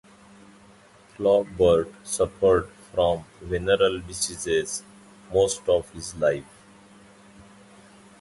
Flaubert suffered from venereal diseases most of his life.